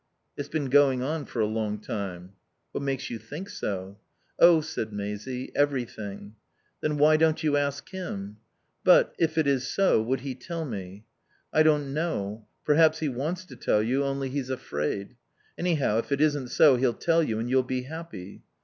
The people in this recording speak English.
"It's been going on for a long time." "What makes you think so?" "Oh," said Maisie, "everything." "Then why don't you ask him?" "But if it is so would he tell me?" "I don't know. Perhaps he wants to tell you, only he's afraid. Anyhow, if it isn't so he'll tell you and you'll be happy."